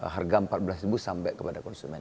harga rp empat belas sampai kepada konsumen